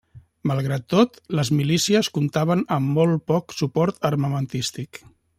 Malgrat tot, les Milícies comptaven amb molt poc suport armamentístic.